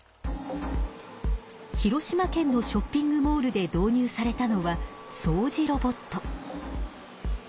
広島県のショッピングモールで導入されたのはそうじロボット。